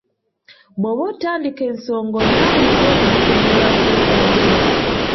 Bw'oba otandika ensonga olina bulijjo okuginnyonnyolako ennyo.